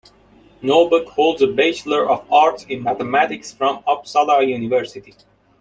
Norberg holds a Bachelor of Arts in mathematics from Uppsala University.